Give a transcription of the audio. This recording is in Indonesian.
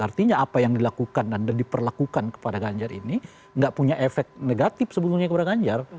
artinya apa yang dilakukan dan diperlakukan kepada ganjar ini nggak punya efek negatif sebetulnya kepada ganjar